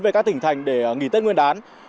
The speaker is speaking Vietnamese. về các tỉnh thành để nghỉ tết nguyên đán